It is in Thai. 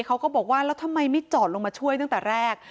เขาก็บอกว่าแล้วทำไมไม่จอดลงมาช่วยตั้งแต่แรก